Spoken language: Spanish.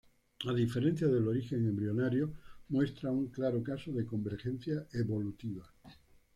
A diferencia del origen embrionario, muestra un claro caso de convergencia evolutiva.